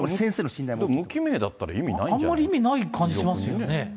これ、無記名だったら意味なあんまり意味ない感じします